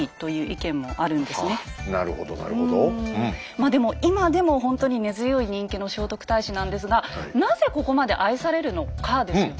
まあでも今でもほんとに根強い人気の聖徳太子なんですがなぜここまで愛されるのかですよね。